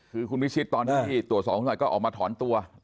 คือคุณวิชิตตอนที่ตรวจสอบคุณหน่อยก็ออกมาถอนตัว